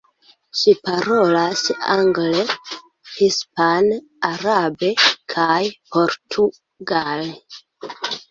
Ŝi parolas angle, hispane, arabe kaj portugale.